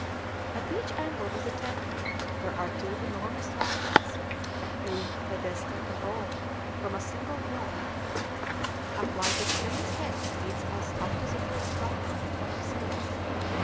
At each angle of the temple are two enormous lions, hewn, pedestal and all, from a single block. A flight of stone steps leads up to the first platform of terraces.